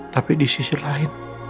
tapi di sisi lain